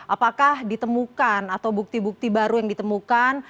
apakah ditemukan atau bukti bukti baru yang ditemukan